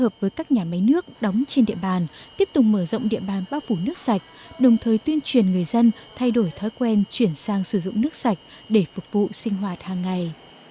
huyện cũng đang tích cực phối hợp với các nhà máy nước đóng trên địa bàn tiếp tục mở rộng địa bàn bác phủ nước sạch đồng thời tuyên truyền người dân thay đổi thói quen chuyển sang sử dụng nước sạch để phục vụ sinh hoạt hàng ngày